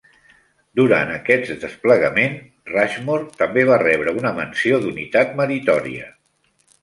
Durant aquest desplegament, "Rushmore" també va rebre una Menció d'unitat meritòria.